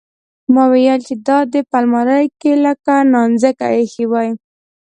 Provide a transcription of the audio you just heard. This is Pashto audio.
ما ويل چې دا دې په المارۍ کښې لکه نانځکه ايښې واى.